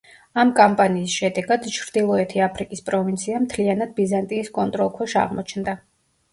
ამ კამპანიის შედეგად ჩრდილოეთი აფრიკის პროვინცია მთლიანად ბიზანტიის კონტროლქვეშ აღმოჩნდა.